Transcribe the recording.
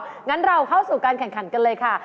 งั้นเราเข้าสู่การแข่งขันกันเลยค่ะ